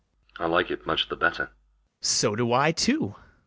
I like it much the better. BARABAS. So do I too.